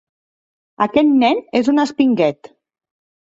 Aquest nen és un espinguet.